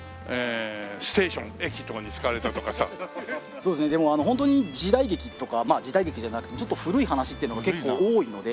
そうですねでもホントに時代劇とかまあ時代劇じゃなくてもちょっと古い話っていうのが結構多いので。